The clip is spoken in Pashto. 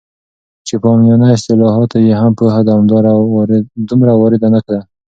چې په عامیانه اصطلاحاتو یې هم پوهه دومره وارده نه ده